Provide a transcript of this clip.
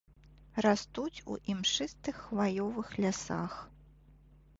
Растуць у імшыстых хваёвых лясах.